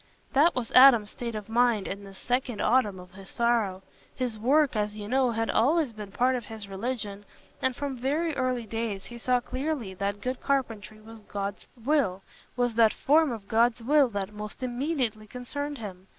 That was Adam's state of mind in this second autumn of his sorrow. His work, as you know, had always been part of his religion, and from very early days he saw clearly that good carpentry was God's will—was that form of God's will that most immediately concerned him.